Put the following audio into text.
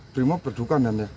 brimob berduka namanya